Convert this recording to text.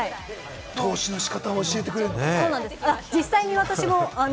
投資の仕方を教えてくれるのね？